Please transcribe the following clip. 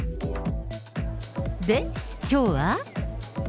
で、きょうは？